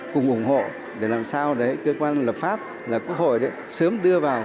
cùng ủng hộ để làm sao để cơ quan lập pháp quốc hội sớm đưa vào